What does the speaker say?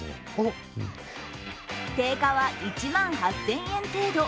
定価は１万８０００円程度。